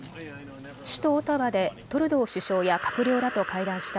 首都オタワでトルドー首相や閣僚らと会談した